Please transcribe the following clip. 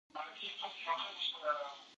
خلک له صادقو خلکو سره کار کوي.